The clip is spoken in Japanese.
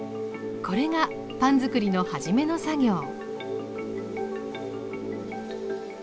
これがパン作りの始めの作業。